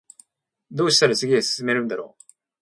どうしたら次へ進めるんだろう